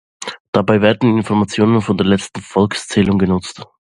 Dabei werden Informationen von der letzten Volkszählung genutzt.